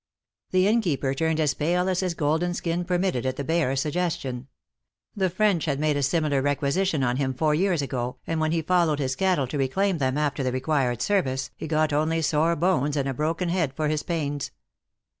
The innkeeper turned as pale as his golden skin permitted at the bare suggestion. The French had made a similar requisition on him four years ago, and when he followed his cattle to reclaim them after the required service, he got only sore bones and a broken head for his pains.